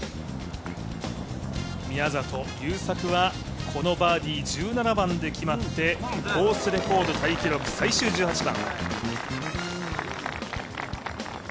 宮里優作はこのバーディー、１７番で決まってコースレコードタイ記録最終１８番。